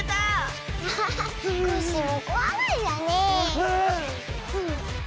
アハハコッシーもこわがりだね。